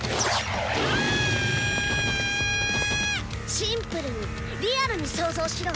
シンプルにリアルに想像しろ！